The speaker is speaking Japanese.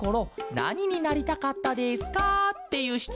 なにになりたかったですか？」っていうしつもんだケロ。